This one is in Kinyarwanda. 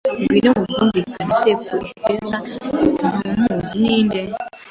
ngwino mu bwumvikane. ” “Cap'n Ifeza! Ntumuzi. Ninde